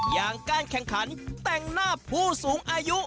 อย่างการแข่งขันแต่งหน้าผู้สูงอายุ